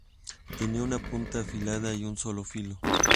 Tenía una punta afilada y un solo filo.